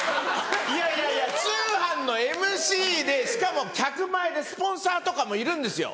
いやいやいや通販のＭＣでしかも客前でスポンサーとかもいるんですよ。